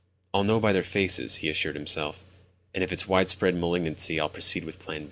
"I'll know by their faces," he assured himself, "and if it's widespread malignancy I'll proceed with plan B."